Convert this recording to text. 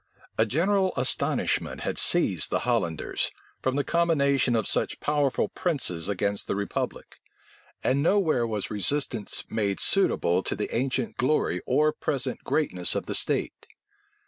A general astonishment had seized the Hollanders, from the combination of such powerful princes against the republic; and nowhere was resistance made suitable to the ancient glory or present greatness of the state.